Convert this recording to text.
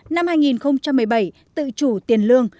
năm hai nghìn một mươi bảy tự chủ tiền lương